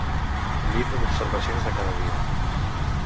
Llibre d'observacions de cada dia.